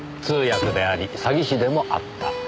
通訳であり詐欺師でもあった。